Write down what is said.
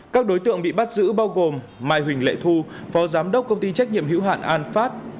các đối tượng bị bắt giữ bao gồm mai huỳnh lệ thu phó giám đốc công ty trách nhiệm hữu hạn an phát